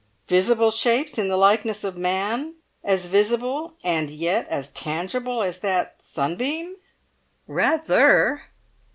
"Visible shapes, in the likeness of man? As visible and yet as tangible as that sunbeam?" "Rather!"